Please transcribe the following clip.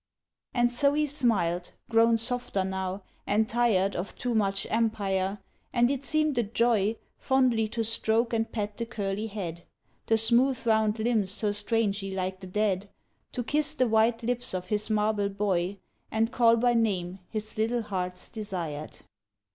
And so he smiled, grown softer now, and tired Of too much empire, and it seemed a joy Fondly to stroke and pet the curly head, The smooth round limbs so strangely like the dead, To kiss the white lips of his marble boy And call by name his little heart's desired.